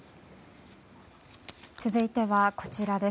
続いては、こちら。